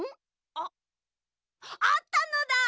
あっあったのだ！